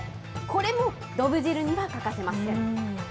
これもどぶ汁には欠かせません。